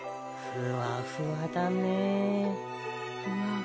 ふわふわですね。